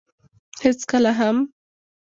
هېڅکله هم.